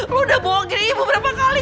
lu udah bohongin ibu berapa kali